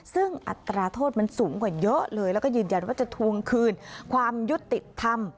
ซึ่งอัตราโทษมันสูงกว่าเยอะเลยแล้วก็ยืนยันว่าจะทวงคืนความยุติธรรม